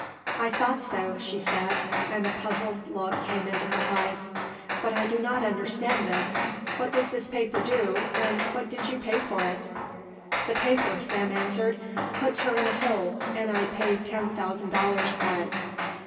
"I thought so," she said, and a puzzled look came into her eyes. "But I do not understand this. What does this paper do and what did you pay for it?" "The paper," Sam answered, "puts her in a hole and I paid ten thousand dollars for it."